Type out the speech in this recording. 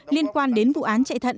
liên quan đến vụ án chạy thận